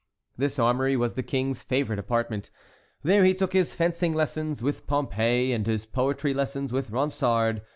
This armory was the king's favorite apartment; there he took his fencing lessons with Pompée, and his poetry lessons with Ronsard.